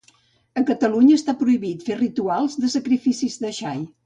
A Catalunya està prohibit fer rituals de sacrificis de xai